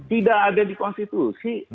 tidak ada di konstitusi